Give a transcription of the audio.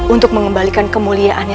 untuk mengembalikan kemuliaannya